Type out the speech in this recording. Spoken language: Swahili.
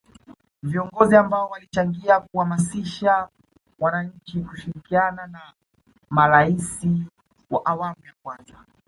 viongozi ambao walichangia kuamasisha wananchi kushirikiana ni marais wa awmu ya kwanza